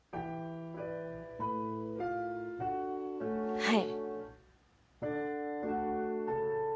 はい。